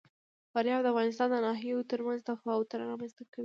فاریاب د افغانستان د ناحیو ترمنځ تفاوتونه رامنځ ته کوي.